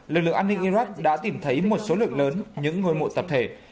lực lượng an ninh iraq đã tìm thấy một số lượng lớn những ngôi mộ tập thể